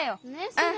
うん。